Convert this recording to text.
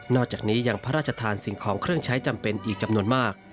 จากนี้ยังพระราชทานสิ่งของเครื่องใช้จำเป็นอีกจำนวนมาก